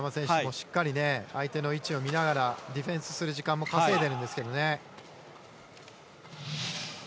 しっかり相手の位置を見ながらディフェンスする時間も稼いでるんですけどね。